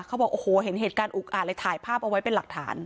เขาบอกโอ้โหเห็นเหตุการณ์อุกอ่านเลยถ่ายภาพเอาไว้เป็นหลักฐาน